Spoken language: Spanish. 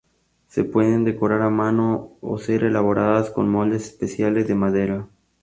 Se pueden decorar a mano o ser elaboradas con moldes especiales de madera.